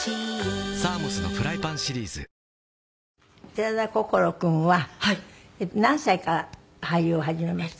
寺田心君は何歳から俳優を始めました？